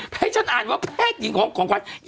แพทย์ฉันอ่านว่าแพทย์หญิงของขวัญ